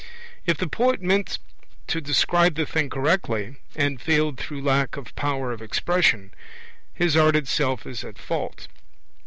If the poet meant to describe the thing correctly, and failed through lack of power of expression, his art itself is at fault.